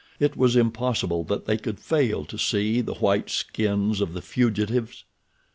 It was impossible that they should fail to see the white skins of the fugitives.